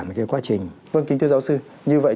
một cái quá trình vâng kính thưa giáo sư như vậy